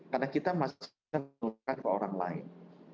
karena kita masih menularkan ke orang lain